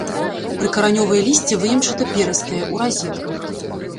Прыкаранёвае лісце выемчата-перыстае, у разетках.